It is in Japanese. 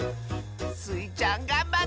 スイちゃんがんばって！